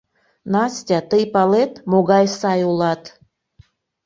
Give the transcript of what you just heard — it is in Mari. Настя, тый палет, могай сай улат.